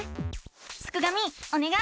すくがミおねがい！